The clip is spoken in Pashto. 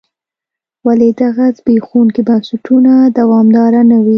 ولې دغه زبېښونکي بنسټونه دوامداره نه وي.